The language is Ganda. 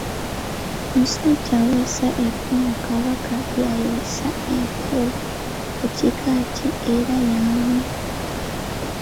Omusajja aweesa effumu Kabaka lyayiggisa empeewo wa kika ki era y'ani?